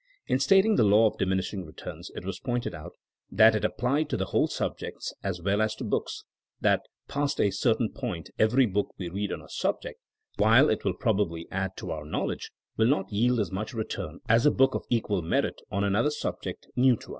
In stating the law of diminishing returns it was pointed out that it applied to whole sub jects as well as to books, that past a certain point every book we read on a subject, while it will probably add to our knowledge, will not yield as much return as a book of equal merit on another subject new to us."